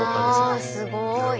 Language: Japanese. うわすごい。